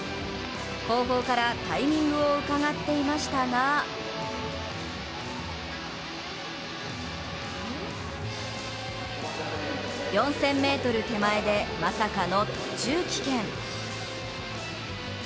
後方からタイミングをうかがっていましたが４０００ｍ手前でまさかの途中棄権。